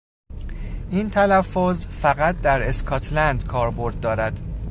این تلفظ فقط در اسکاتلند کاربرد دارد.